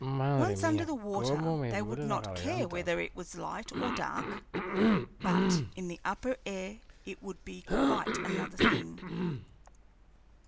Once under the water, they would not care whether it was light or dark, but in the upper air it would be quite another thing.